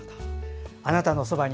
「あなたのそばに」